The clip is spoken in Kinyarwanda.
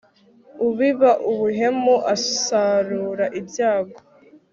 ubiba ubuhemu asarura ibyago